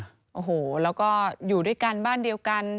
โอ้โหแล้วก็อยู่ด้วยกันบ้านเดียวกัน